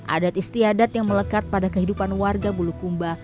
adat istiadat yang melekat pada kehidupan warga bulukumba